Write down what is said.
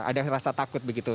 ada rasa takut begitu